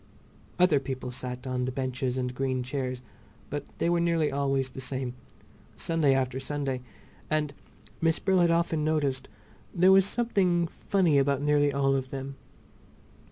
Other people sat on the benches and green chairs, but they were nearly always the same, Sunday after Sunday, and—Miss Brill had often noticed—there was something funny about nearly all of them.